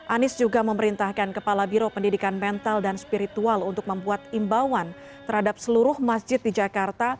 anies juga memerintahkan kepala biro pendidikan mental dan spiritual untuk membuat imbauan terhadap seluruh masjid di jakarta